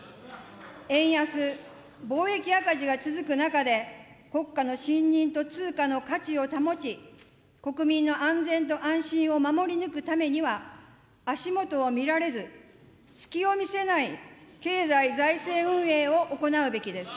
円安、貿易赤字が続く中で、国家の信認と通貨の価値を保ち、国民の安全と安心を守り抜くためには、足下を見られず、隙を見せない経済財政運営を行うべきです。